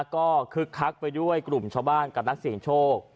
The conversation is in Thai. ก็คึกคักไปด้วยกลุ่มชาวบ้านกับนักเสียงโชค